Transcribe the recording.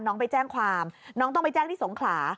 น้องไปแจ้งความน้องต้องไปแจ้งที่สงขลา